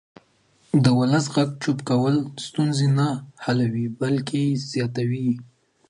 د ولس غږ چوپ کول ستونزې نه حلوي بلکې یې زیاتوي